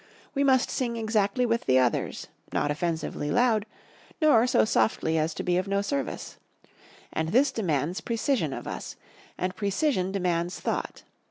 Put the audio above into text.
We must sing exactly with the others, not offensively loud, nor so softly as to be of no service. And this demands precision of us; and precision demands thought.